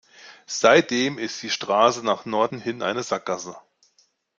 Seitdem ist die Straße nach Norden hin eine Sackgasse.